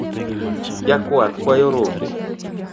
Jakwath kwayo rombe.